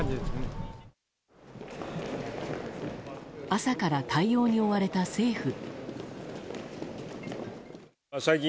朝から対応に追われた政府。